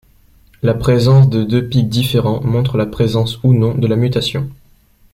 La présence de deux pics différents montrent la présence ou non de la mutation.